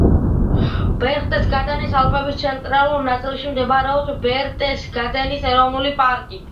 ბერხტესგადენის ალპების ცენტრალურ ნაწილში მდებარეობს ბერხტესგადენის ეროვნული პარკი.